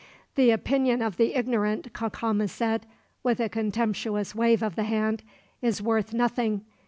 "The opinion of the ignorant," Cacama said, with a contemptuous wave of the hand, "is worth nothing.